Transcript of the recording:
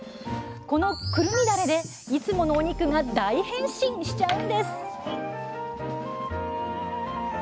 このくるみだれでいつものお肉が大変身しちゃうんです！